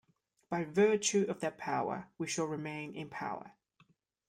By virtue of that power we shall remain in power.